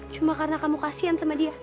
cuma karena kamu kasian sama dia